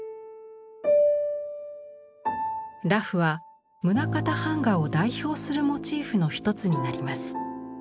裸婦は棟方板画を代表するモチーフの一つになります。